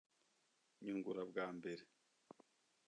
nyungura bwa mbere.